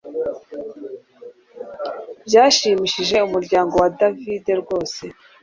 Byashimishije umuryango wa David rwose